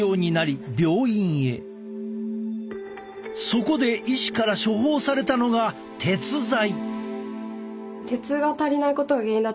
そこで医師から処方されたのが鉄剤。